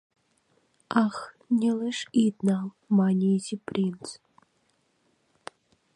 — Ах, нелеш ит нал, — мане Изи принц.